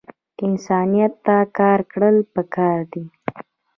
انسانیت ته کار کړل پکار دے